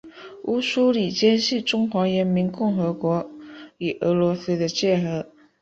乌苏里江是中华人民共和国与俄罗斯的界河。